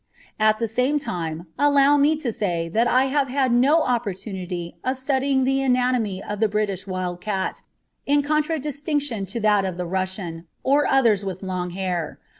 At the same time, allow me to say that I have had no opportunity of studying the anatomy of the British wild cat, in contradistinction to that of the Russian, or others with long hair.